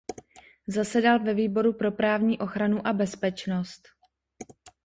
Zasedal ve výboru pro právní ochranu a bezpečnost.